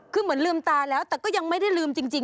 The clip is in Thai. คือเหมือนลืมตาแล้วแต่ก็ยังไม่ได้ลืมจริง